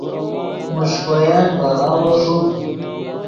میݰکوین ڤے غاوو ݰوڤد